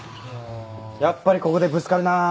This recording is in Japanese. やっぱりここでぶつかるなあ。